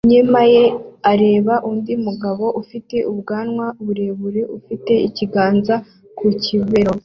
inyuma ye areba undi mugabo ufite ubwanwa burebure ufite ikiganza ku kibero